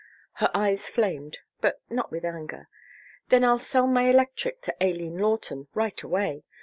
Her eyes flamed, but not with anger. "Then I'll sell my electric to Aileen Lawton right away.